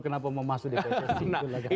kenapa mau masuk di pssi